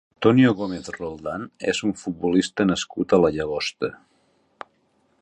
Antonio Gómez Roldán és un futbolista nascut a la Llagosta.